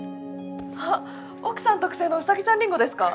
あ奥さん特製のウサギちゃんりんごですか？